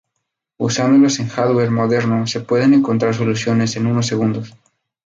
Usándolos en hardware moderno, se pueden encontrar soluciones en unos segundos.